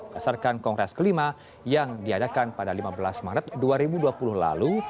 berdasarkan kongres kelima yang diadakan pada lima belas maret dua ribu dua puluh lalu